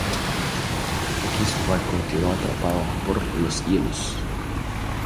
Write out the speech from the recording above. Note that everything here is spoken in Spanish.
Aquí su barco quedó atrapado por los hielos.